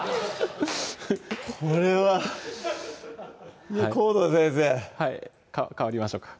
これは河野先生はいか代わりましょうか？